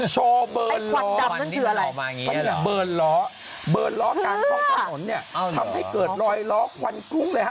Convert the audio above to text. โชว์เบิร์นล้อเบิร์นล้อเบิร์นล้อกล้องถนนเนี่ยทำให้เกิดลอยล้อควันคุ้งเลยฮะ